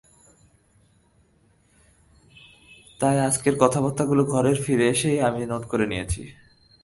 তাই আজকের কথাবার্তাগুলো ঘরে ফিরে এসেই আমি নোট করে নিয়েছি।